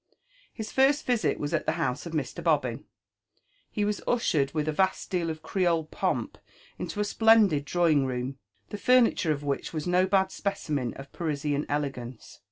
His first visit was at the house of Mr. Bobbin . He was ushered with a vast deal of Creole pomp into a splendid drawing room, the furniture of which was bo had specimen of Parisian elegance.